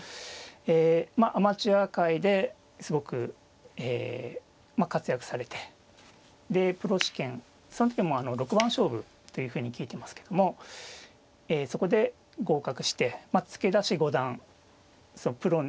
えアマチュア界ですごく活躍されてでプロ試験その時も６番勝負というふうに聞いてますけどもそこで合格して付け出し五段プロの編入